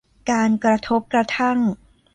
การกระทบกระทั่ง